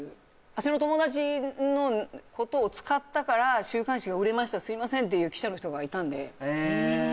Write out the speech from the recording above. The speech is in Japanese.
私の友達のことを使ったから週刊誌が売れました、すみませんっていう記者の方がいたんで。